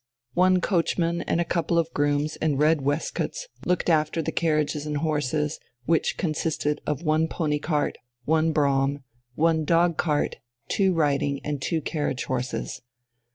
One coachman and a couple of grooms in red waistcoats looked after the carriages and horses, which consisted of one pony cart, one brougham, one dog cart, two riding and two carriage horses.